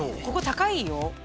ここ高いよ